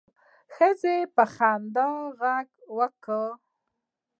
ښځې په خندا غږ وکړ.